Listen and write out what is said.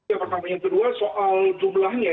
yang kedua soal jumlahnya